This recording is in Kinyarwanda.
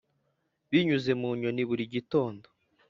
binyuze mu nyoni buri gitondo.